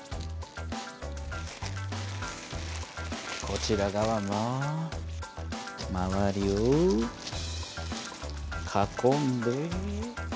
こちら側もまわりを囲んで。